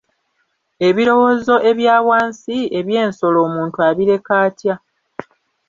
Ebirowoozo ebya wansi, eby'ensolo, omuntu abireka atya?